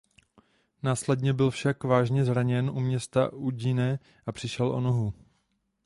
Následně byl však vážně zraněn u města Udine a přišel o nohu.